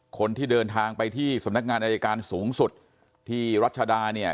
คนที่เดินทางไปที่สำนักงานอายการสูงสุดที่รัชดาเนี่ย